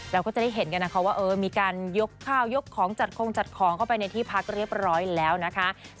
เราก็จะได้เห็นกันนะคะว่ามีการยกข้าวยกของจัดคงจัดของเข้าไปในที่พักเรียบร้อยแล้วนะคะ